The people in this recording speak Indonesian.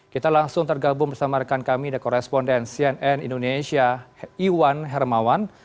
kita langsung tergabung bersama rekan kami dan korespondensi nn indonesia iwan hermawan